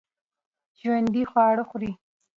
ژوندي خواړه خوري